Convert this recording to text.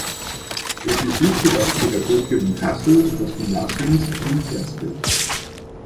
Er besuchte das Pädagogium Kassel und das Gymnasiums in Hersfeld.